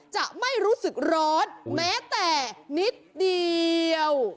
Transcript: จะไม่รู้สึกร้อนแม้แต่นิดเดียว